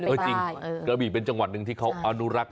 เออจริงกระบี่เป็นจังหวัดหนึ่งที่เขาอนุรักษ